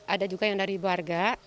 ada juga yang dari warga